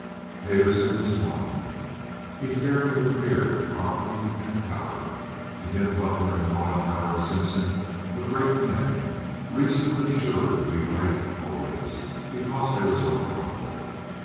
Payderson was one. He fairly revered property and power. To him Butler and Mollenhauer and Simpson were great men—reasonably sure to be right always because they were so powerful.